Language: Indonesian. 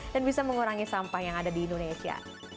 dan bisa mengurangi sampah yang ada di indonesia